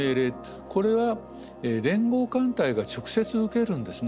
これは連合艦隊が直接受けるんですね。